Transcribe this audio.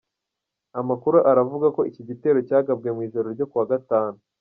Amakuru aravuga ko iki gitero cyagabwe mu ijoro ryo ku wa Gatanu.